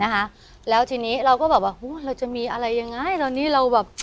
นะคะแล้วทีนี้เราก็แบบว่าเราจะมีอะไรยังไงตอนนี้เราแบบ